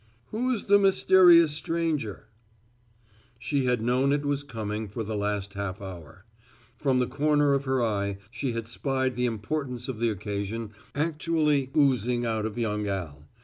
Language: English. "Who's the mysterious stranger!" She had known it was coming for the last half hour. From the corner of her eye, she had spied the importance of the occasion actually oozing out of young Al.